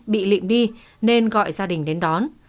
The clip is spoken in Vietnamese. bị lịm đi nên gọi gia đình đến đón